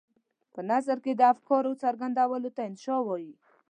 په نثر کې د افکارو څرګندولو ته انشأ وايي.